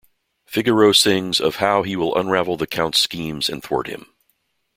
Figaro sings of how he will unravel the count's schemes and thwart him.